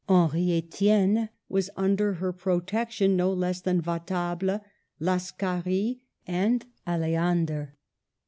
Henri Estienne was under her pro tection no less than Vatable, Lascaris, and Aleander.